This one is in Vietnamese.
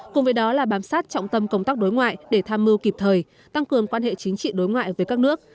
cùng với đó là bám sát trọng tâm công tác đối ngoại để tham mưu kịp thời tăng cường quan hệ chính trị đối ngoại với các nước